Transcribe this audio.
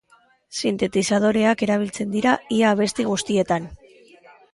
Sintetizadoreak erabiltzen dira ia abesti guztietan.